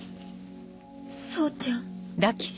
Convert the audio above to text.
総ちゃん。